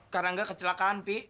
karena enggak kecelakaan pi